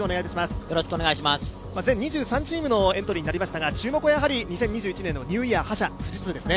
全２３チームのエントリーになりましたが注目は２０２０年の東日本実業団駅伝覇者、富士通ですね。